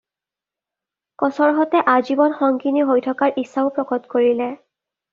কচৰ সতে আজীৱন সংগিনী হৈ থকাৰ ইচ্ছাও প্ৰকট কৰিলে।